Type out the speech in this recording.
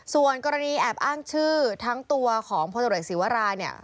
ส่วนกรณีแอบอ้างชื่อทั้งตัวของพลตรวจศิวราเนี่ย